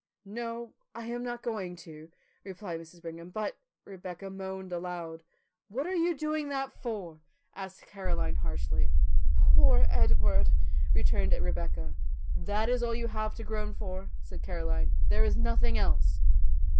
"No, I am not going to," replied Mrs. Brigham; "but " Rebecca moaned aloud. "What are you doing that for?" asked Caroline harshly. "Poor Edward," returned Rebecca. "That is all you have to groan for," said Caroline. "There is nothing else."